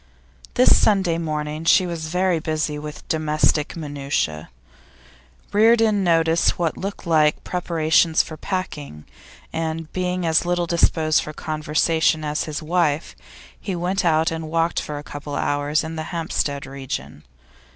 This Sunday morning she was very busy with domestic minutiae. Reardon noticed what looked like preparations for packing, and being as little disposed for conversation as his wife, he went out and walked for a couple of hours in the Hampstead region.